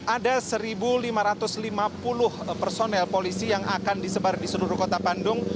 ada satu lima ratus lima puluh personel polisi yang akan disebar di seluruh kota bandung